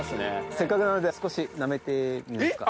せっかくなので少しなめてみますか？